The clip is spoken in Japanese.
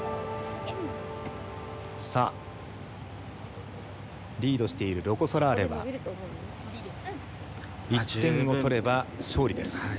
さあリードしているロコ・ソラーレは１点を取れば勝利です。